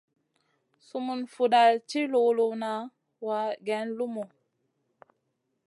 Sumun fuda ci luluna wa geyn lumu.